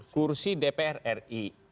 kursi dpr ri